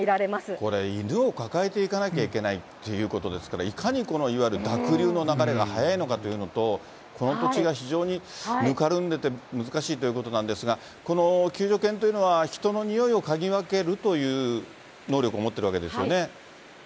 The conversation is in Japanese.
これ、犬を抱えていかなきゃいけないということですから、いかにこのいわゆる濁流の流れが速いのかというのと、この土地が非常にぬかるんでて難しいということなんですが、この救助犬というのは、人のにおいをかぎ分けるという能力を持っているわけですよね。